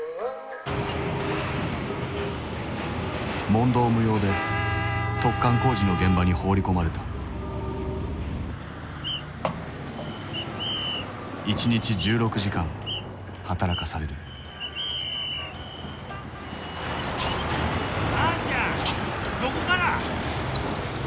問答無用で突貫工事の現場に放り込まれた一日１６時間働かされるうっ。